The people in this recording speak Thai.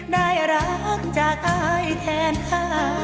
ได้รักจากอายแทนค่ะ